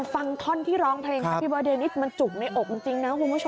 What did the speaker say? ฟังท่อนที่ร้องเพลงพี่บอเดนอิ๊กมันจุกในอกจริงนะคุณผู้ชม